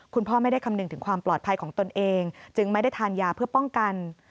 คุณพ่อไม่ได้คำนึงถึงความปลอดภัยของตนเองจึงไม่ได้ทานยาเพื่อป้องกัน